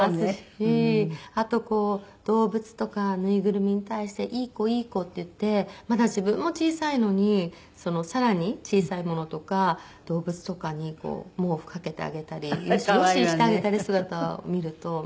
あとこう動物とかぬいぐるみに対して「いい子いい子」って言ってまだ自分も小さいのに更に小さいものとか動物とかに毛布かけてあげたり「よしよし」してあげてる姿を見ると。